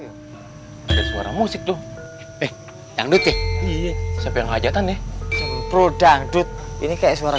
gila ada suara musik tuh eh yang dute iya siapa yang ngajak tane pro dangdut ini kayak suara